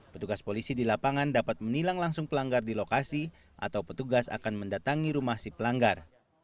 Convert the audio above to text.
petugas polisi di lapangan dapat menilang langsung pelanggar di lokasi atau petugas akan mendatangi rumah si pelanggar